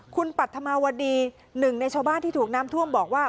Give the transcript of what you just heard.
คุณปัจทมวดี๑ในชาวบ้านที่ถูกน้ำท่วมบอกว่า